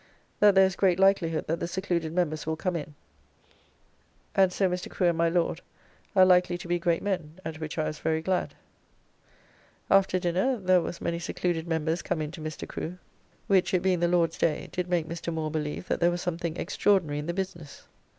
That there is great likelihood that the secluded members will come in, and so Mr. Crew and my Lord are likely to be great men, at which I was very glad. After diner there was many secluded members come in to Mr. Crew, which, it being the Lord's day, did make Mr. Moore believe that there was something extraordinary in the business.